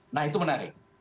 nah itu menarik